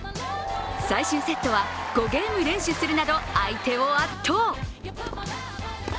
最終セットは、５ゲーム連取するなど、相手を圧倒。